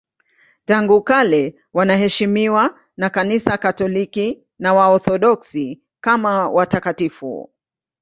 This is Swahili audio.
Tangu kale wanaheshimiwa na Kanisa Katoliki na Waorthodoksi kama watakatifu.